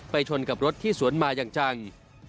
ชนกับรถที่สวนมาอย่างจัง